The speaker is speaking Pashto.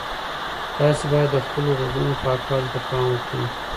تاسي باید د خپلو غوږونو پاکوالي ته پام وکړئ.